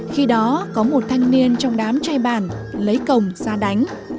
khi đó có một thanh niên trong đám trai bàn lấy cồng ra đánh